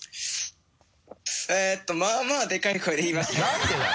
えっとまぁまぁでかい声で言いました。